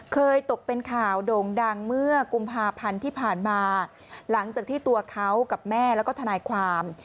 เคยตกเป็นข่าวโด่งดังเมื่อกุมภาพันธ์ที่ผ่านมาหลังจากที่ตัวเขากับแม่แล้วก็ทนายความ